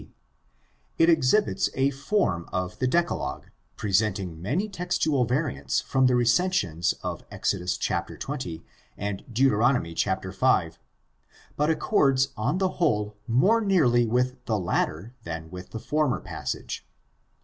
d. It exhibits a form of the Decalogue, presenting many textual variations from the recensions of Exod., chap. 20, and Deut., chap. 5, but accords on the whole more nearly with the latter than with the former passage.